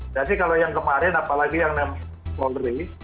jadi kalau yang kemarin apalagi yang yang polri